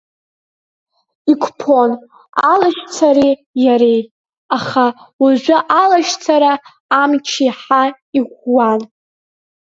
Еиқәԥон алашьцареи иареи, аха уажәы алашьцара амч иаҳа иӷәӷәан.